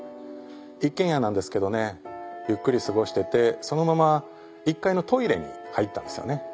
一軒家なんですけどねゆっくり過ごしててそのまま１階のトイレに入ったんですよね。